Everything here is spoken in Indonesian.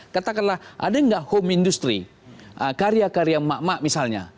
katakanlah ada nggak home industry karya karya mak mak misalnya